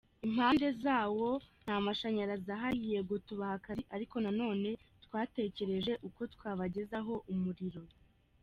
Impande zawo, nta mashanyarazi ahari, yego tubaha akazi ariko nanone twatekereje uko twabagezaho umuriro.